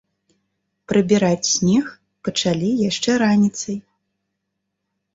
Прыбіраць снег пачалі яшчэ раніцай.